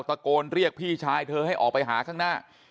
ตะโกนเรียกพี่ชายเธอให้ออกไปหาข้างหน้า